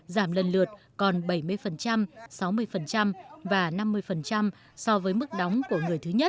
giảm lần lượt còn bảy mươi sáu mươi và năm mươi so với mức đóng của người thứ nhất